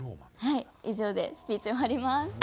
はい以上でスピーチ終わります。